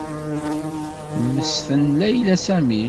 Temmesten Layla Sami.